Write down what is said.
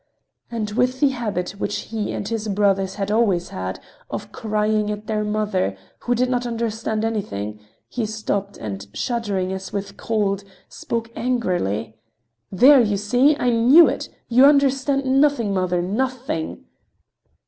And with the habit which he and his brothers had always had of crying at their mother, who did not understand anything, he stopped, and, shuddering as with cold, spoke angrily: "There! You see! I knew it! You understand nothing, mother! Nothing!"